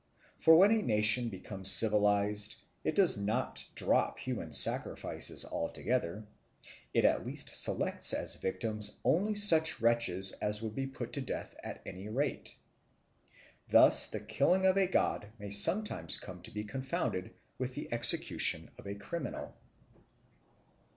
For when a nation becomes civilised, if it does not drop human sacrifices altogether, it at least selects as victims only such wretches as would be put to death at any rate. Thus the killing of a god may sometimes come to be confounded with the execution of a criminal.